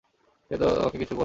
সে তোমাকে কিছু করবে না।